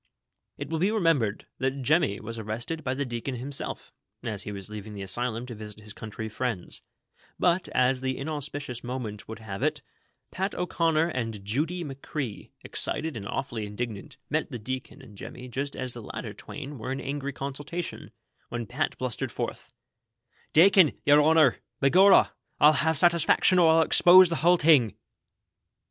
It will be remembered that Jemmy was arrested by the deacon himself, as he was leaving the Asylum to visit his country friends ; but, as the inauspicious moment would 4iave it, Pat O'Conner and Judy McCrea, excited and awfully indignant, met the deacon and Jemmy just as the latter twain were in angry consultation, when Pat blus tered forth : "Dacon, yer honor, by gorrah ! I'll have satesfaction, or I'll expose the whole ting."